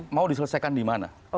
mau diselesaikan di mana